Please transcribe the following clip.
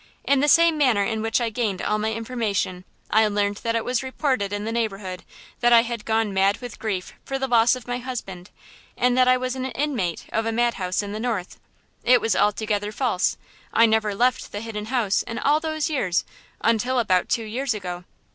In the same manner in which I gained all my information, I learned that it was reported in the neighborhood that I had gone mad with grief for the loss of my husband and that I was an inmate of a madhouse in the North! It was altogether false! I never left the Hidden House in all those years until about two years ago.